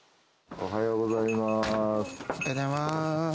おはようございます。